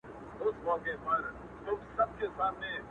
بيا دي د ناز او د ادا خبر په لـپــه كــي وي_